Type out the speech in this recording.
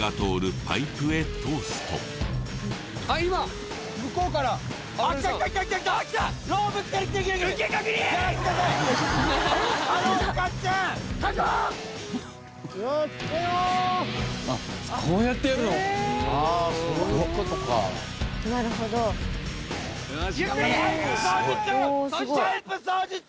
パイプ掃除中！